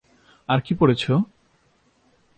আর কি পড়েছ?